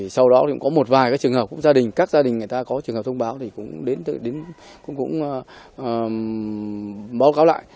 sau đó có một vài trường hợp gia đình các gia đình có trường hợp thông báo cũng báo cáo lại